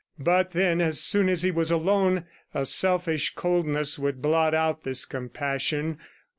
But then, as soon as he was alone, a selfish coldness would blot out this compassion.